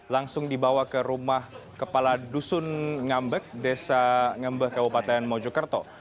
langsung dibawa ke rumah kepala dusun ngambek desa ngambeh kabupaten mojokerto